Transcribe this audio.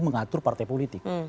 mengatur partai politik